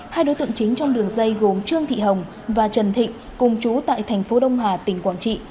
hai đối tượng chính trong đường dây gồm trương thị hồng và trần thịnh cùng chú tại thành phố đông hà tỉnh quảng trị